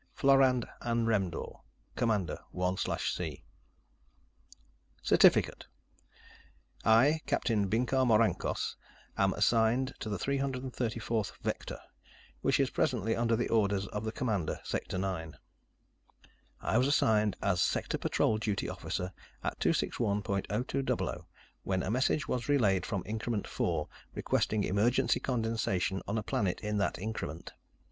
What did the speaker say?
Florand Anremdor Comm. 1/c CERTIFICATE I, Captain Binkar Morancos, am assigned to the 334th Vector, which is presently under the orders of the Commander, Sector Nine. I was assigned as Sector Patrol Duty Officer at 261.0200, when a message was relayed from Increment Four, requesting emergency condensation on a planet in that increment.